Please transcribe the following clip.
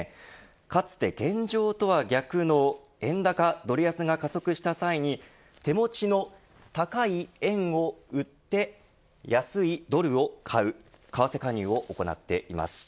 かつて、現状とは逆の円高ドル安が加速した際に手持ちの高い円を打って、安いドルを買う為替介入を行っています。